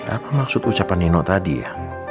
apa maksud ucapan nino tadi ya